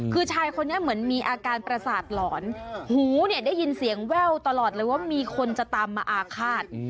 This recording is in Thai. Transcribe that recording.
คือชายคนนี้เหมือนมีอาการประสาทหลอนหูเนี่ยได้ยินเสียงแว่วตลอดเลยว่ามีคนจะตามมาอาฆาต